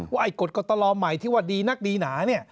ว่าไอ้กฎกตลอมใหม่ที่ว่าดีนักดีหนา